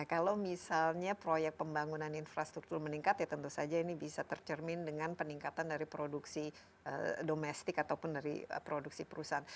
kalau misalnya proyek pembangunan infrastruktur meningkat ya tentu saja ini bisa tercermin dengan peningkatan dari produksi domestik ataupun dari produksi perusahaan